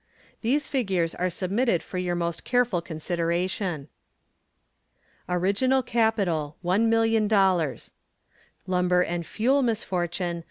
These figures are submitted for your most careful consideration. ORIGINAL CAPITAL ........................... $1,000,000.00 "Lumber and Fuel" misfortune